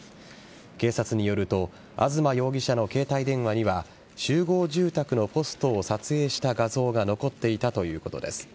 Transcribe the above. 警察によると東容疑者の携帯電話には集合住宅のポストを撮影した画像が残っていたということです。